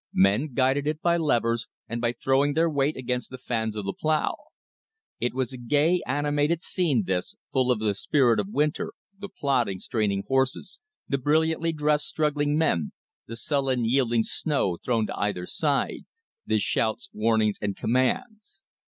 Men guided it by levers, and by throwing their weight against the fans of the plow. It was a gay, animated scene this, full of the spirit of winter the plodding, straining horses, the brilliantly dressed, struggling men, the sullen yielding snow thrown to either side, the shouts, warnings, and commands.